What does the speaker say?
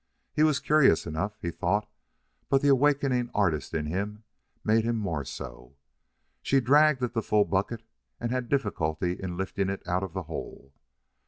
He was curious enough, he thought, but the awakening artist in him made him more so. She dragged at the full bucket and had difficulty in lifting it out of the hole.